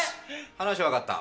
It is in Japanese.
話は分かった。